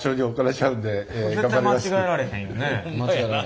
絶対間違えられへんよね。